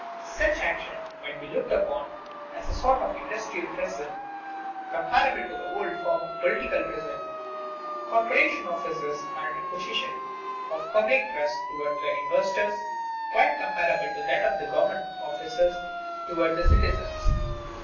Such action must be looked upon as a sort of industrial treason, comparable to the old form of political treason. Corporation officers are in a position of public trust toward the investors quite comparable to that of government officers toward the citizens.